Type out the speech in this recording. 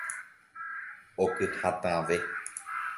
Oky hatãve